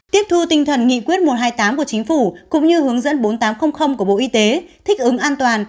tiếp thu tinh thần nghị quyết một trăm hai mươi tám của chính phủ cũng như hướng dẫn bốn nghìn tám trăm linh của bộ y tế thích ứng an toàn